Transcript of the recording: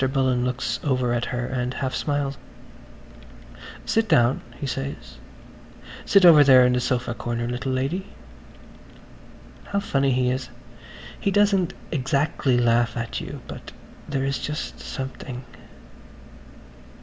Bullen looks over at her and half smiles. "Sit down," he says. "Sit over there in the sofa corner, little lady." How funny he is. He doesn't exactly laugh at you ... but there is just something.